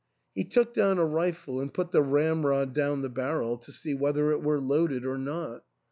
He took down a rifle and put the ramrod down the barrel to see whether it were loaded or not.